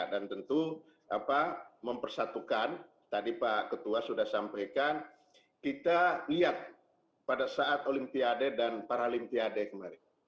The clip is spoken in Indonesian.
dan tentu mempersatukan tadi pak ketua sudah sampaikan kita lihat pada saat olimpiade dan paralimpiade kemarin